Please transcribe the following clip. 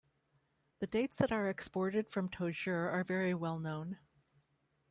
The dates that are exported from Tozeur are very well known.